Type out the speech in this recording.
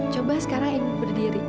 coba sekarang ibu berdiri